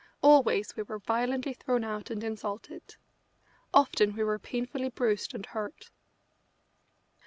Always we were violently thrown out and insulted. Often we were painfully bruised and hurt.